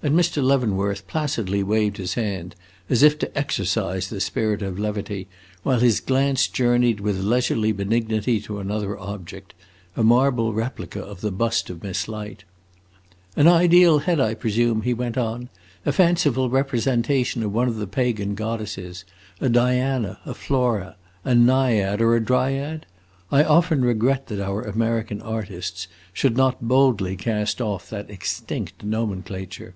And Mr. Leavenworth placidly waved his hand, as if to exorcise the spirit of levity, while his glance journeyed with leisurely benignity to another object a marble replica of the bust of Miss Light. "An ideal head, I presume," he went on; "a fanciful representation of one of the pagan goddesses a Diana, a Flora, a naiad or dryad? I often regret that our American artists should not boldly cast off that extinct nomenclature."